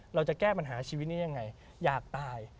เราจะแก้ปัญหาชีวิตนี้ยังไงอยากตาย